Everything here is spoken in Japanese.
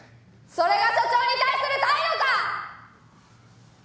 それが署長に対する態度か！